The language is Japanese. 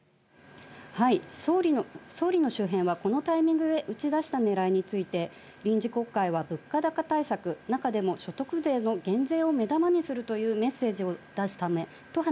総理の周辺は、このタイミングで打ち出したねらいについて、臨時国会は物価高対策、中でも所得税の減税を目玉にするというメッセージを出すためと話